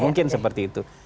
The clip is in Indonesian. mungkin seperti itu